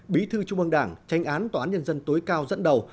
bí thư trung ương đảng tranh án tòa án nhân dân tối cao dẫn đầu